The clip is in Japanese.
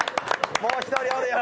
もう一人おるよ！